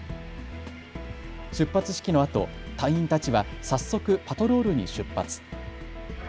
出発式のあと隊員たちは早速パトロールに出発。